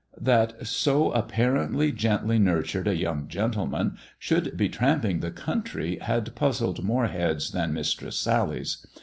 That so apparently gently nurtured a young gentleman should be tramping the country had puzzled more heads than Mistress Sally's.